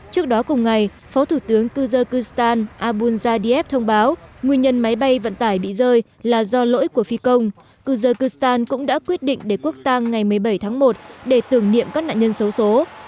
trước đó cùng ngày phó thủ tướng kyzhkystan abulzadiev thông báo nguyên nhân máy bay vận tải bị rơi là do lỗi của phi công kyzhkistan cũng đã quyết định để quốc tàng ngày một mươi bảy tháng một để tưởng niệm các nạn nhân xấu xố